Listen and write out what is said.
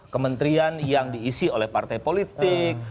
kementerian yang diisi oleh partai politik